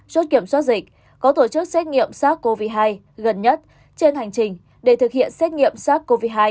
chốt kiểm soát dịch có tổ chức xét nghiệm sars cov hai gần nhất trên hành trình để thực hiện xét nghiệm sars cov hai